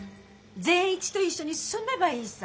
善一と一緒に住めばいいさ。